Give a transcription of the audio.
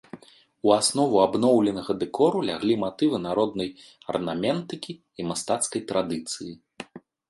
У аснову абноўленага дэкору ляглі матывы народнай арнаментыкі і мастацкай традыцыі.